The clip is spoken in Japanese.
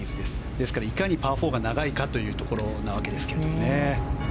ですから、いかにパー４が長いかというところですね。